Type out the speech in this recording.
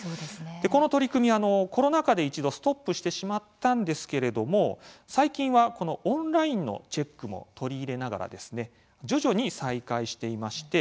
この取り組み、コロナ禍で一度、ストップしてしまったんですけれども最近はオンラインのチェックも取り入れながら徐々に再開していまして